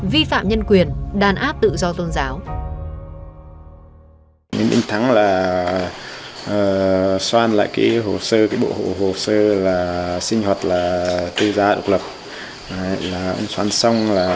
vi phạm nhân quyền đàn áp tự do tôn giáo